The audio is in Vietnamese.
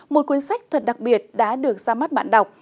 một cuốn sách thật đặc biệt đã được xâm phạm